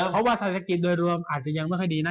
เพราะว่าเศรษฐกิจโดยรวมอาจจะยังไม่ค่อยดีนะ